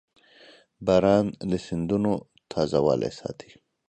• باران د سیندونو تازهوالی ساتي.